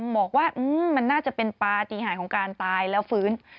บอกว่ามันน่าจะเป็นปฏิหารของการตายแล้วฟื้น